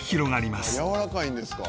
「やわらかいんですか？」